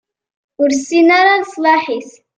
Ur tessin ara leṣlaḥ-is.